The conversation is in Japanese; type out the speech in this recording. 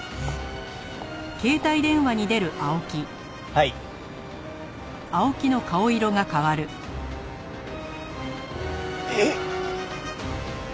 はい。えっ！？